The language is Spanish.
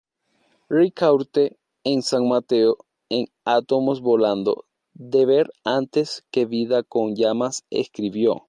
Ricaurte en San Mateo en átomos volando, deber antes que vida con llamas escribió.